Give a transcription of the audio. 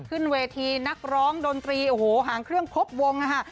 ขึ้นเวทีนักร้องดนตรีโอ้โหหางเครื่องครบวงนะคะ